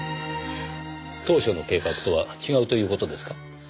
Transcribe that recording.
当初の計画とは違うという事ですか？